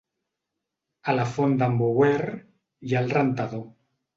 A la Font d'en Bouer hi ha el Rentador.